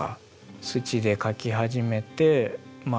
土で描き始めてまあ